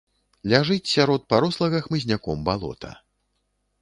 Ляжыць сярод парослага хмызняком балота.